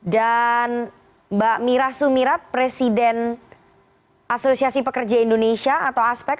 dan mbak mira sumirat presiden asosiasi pekerja indonesia atau aspek